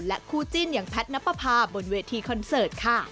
คู่จิ้นอย่างแพทย์นับประพาบนเวทีคอนเสิร์ตค่ะ